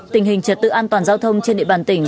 tình hình trật tự an toàn giao thông trên địa bàn tỉnh